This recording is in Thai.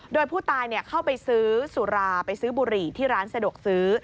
โดยผู้ตายเข้าไปซื้อสุราไปซื้อบุหรี่ที่ร้านสะดวกซื้อ